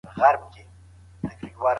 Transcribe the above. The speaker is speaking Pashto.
زموږ غنم شنه شوي